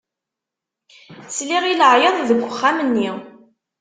Sliɣ i leɛyaḍ deg uxxam-nni.